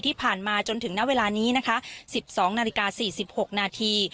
ที่ผ่านมาจนถึงณเวลานี้นะคะ๑๒นาฬิกา๔๖นาที